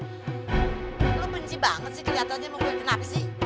lu benci banget sih kelihatannya mau gue kenapa sih